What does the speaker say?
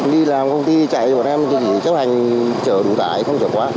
đi làm công ty chạy cho bọn em thì chỉ chấp hành chở đủ tải không chở quá